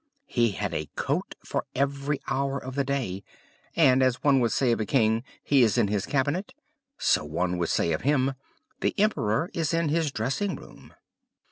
He had a coat for every hour of the day; and as one would say of a king "He is in his cabinet," so one could say of him, "The emperor is in his dressing room."